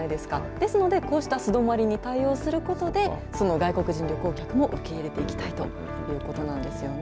ですのでこうした素泊まりに対応することで、その外国人旅行客も受け入れていきたいということなんですよね。